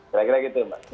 kira kira gitu mbak